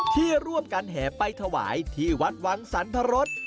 ที่ร่วมกันแห่ไปถวายที่วัดวังสรรพรส